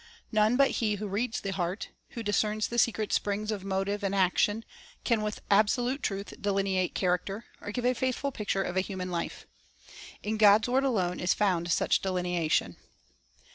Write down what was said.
. but He who reads the heart, who discerns the secret springs of motive and action, can with absolute truth delineate character, or give a faithful picture of a human life. In God's word alone is found such delineation.